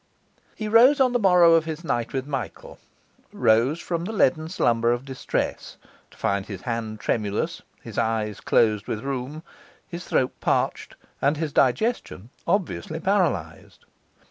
He rose on the morrow of his night with Michael, rose from the leaden slumber of distress, to find his hand tremulous, his eyes closed with rheum, his throat parched, and his digestion obviously paralysed.